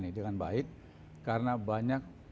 jadi kita harus mengurangi tangan dengan baik